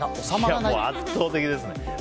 もう圧倒的ですね。